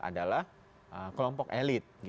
adalah kelompok elit